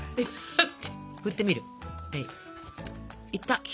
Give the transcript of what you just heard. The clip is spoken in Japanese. いった！